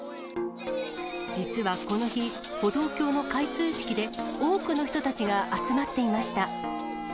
実はこの日、歩道橋の開通式で、多くの人たちが集まっていました。